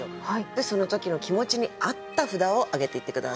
その時の気持ちに合った札を挙げていって下さい。